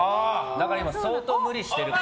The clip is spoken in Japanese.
だから今、相当無理してるか。